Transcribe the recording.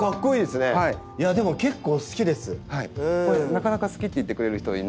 なかなか好きって言ってくれる人がいないので。